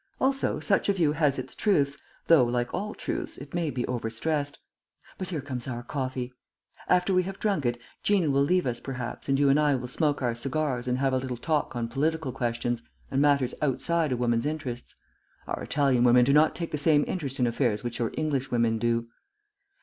Also, such a view has its truth, though, like all truths, it may be over stressed.... But here comes our coffee. After we have drunk it, Gina will leave us perhaps and you and I will smoke our cigars and have a little talk on political questions, and matters outside a woman's interests. Our Italian women do not take the same interest in affairs which your English women do."